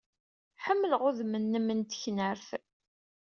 Ḥemmleɣ udem-nnem n teknart.